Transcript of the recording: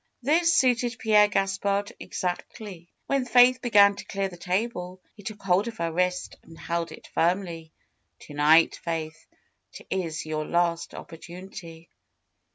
This suited Pierre Gaspard exactly. When Faith be gan to clear the table, he took hold of her wrist and held it firmly. ^'To night, Faith. It is your last opportunity."